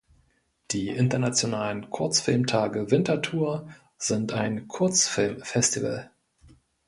Die "Internationalen Kurzfilmtage Winterthur" sind ein Kurzfilmfestival.